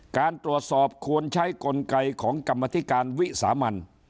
การตรวจสอบควรใช้กลไกของกรรมธิการวิสามัน